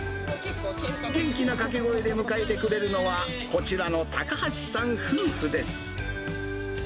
元気な掛け声で迎えてくれるのは、こちらの高橋さん夫婦です。